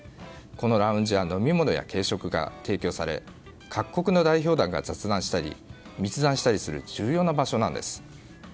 このラウンジは飲み物や軽食が提供され各国の代表団が雑談したり密談したりする重要な場所なんです。